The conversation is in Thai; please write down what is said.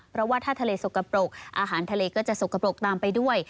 เพราะว่าถ้าทะเลสกปรกอาหารทะเลก็จะสกปรกตามไปด้วย